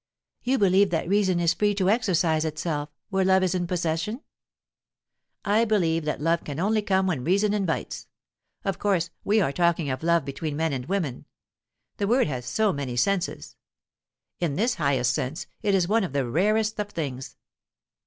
"You believe that reason is free to exercise itself, where love is in possession?" "I believe that love can only come when reason invites. Of course, we are talking of love between men and women; the word has so many senses. In this highest sense, it is one of the rarest of things.